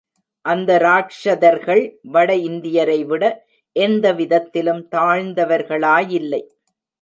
அந்த இராக்ஷதர்கள் வட இந்தியரை விட எந்த விதத்திலும் தாழ்ந்தவர்களாயில்லை.